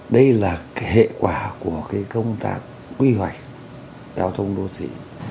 đây là hệ quả của công tác quy hoạch giao thông đô thị